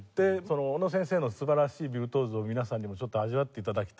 小野先生の素晴らしいビルトゥオーソを皆さんにもちょっと味わって頂きたい。